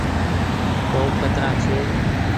ڪوپ ڪترآ ڇي۔